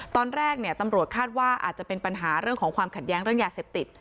ตอนแรกเนี่ยตำรวจคาดว่าอาจจะเป็นปัญหาเรื่องของความขัดแย้งเรื่องยาเสพติด